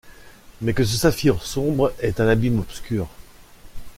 Mais que ce saphir sombre est un abîme obscur!